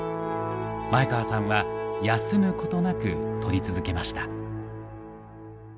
前川さんは休むことなく撮り続けました。